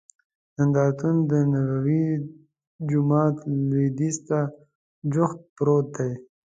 نندارتون دنبوي جومات لوید یځ ته جوخت پروت دی.